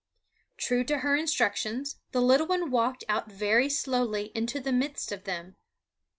True to her instructions, the little one walked out very slowly into the midst of them.